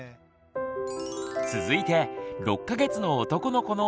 続いて６か月の男の子のママから。